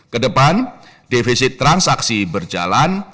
kedepan defisit transaksi berjalan